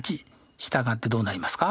従ってどうなりますか？